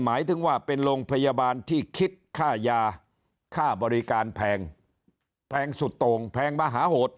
หมายถึงว่าเป็นโรงพยาบาลที่คิดค่ายาค่าบริการแพงแพงสุดโต่งแพงมหาโหด